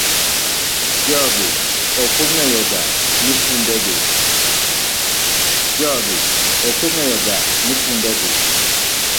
Jogi ok ong'eyo ga ni funde gi.